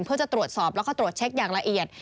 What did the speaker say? เพื่อจะตรวจสอบแล้วก็ตรวจเช็คอย่างละเอียด